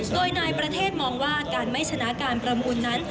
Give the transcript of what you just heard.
โดยนายประเทศมองว่าการไม่ชนะการประมูลนั้น